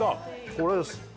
これです。